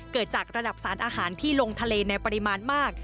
เกิดจากระดับสารอาหารที่ลงทะเลในปริมาณมาก